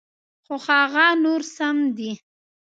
خو هغه نور سم دي.